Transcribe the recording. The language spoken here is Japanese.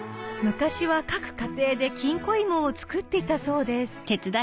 昔は各家庭できんこ芋を作っていたそうです